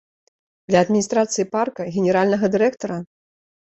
Для адміністрацыі парка, генеральнага дырэктара?